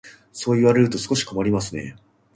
そう言われると少し困りますね。